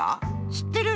しってる。